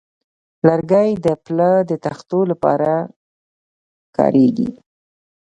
لرګی د پله د تختو لپاره کارېږي.